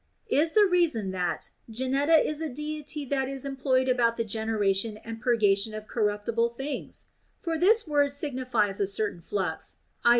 Is the reason that Geneta is a deity that is employed about the generation and purgation of corruptible things] For this word signifies a certain flux (i.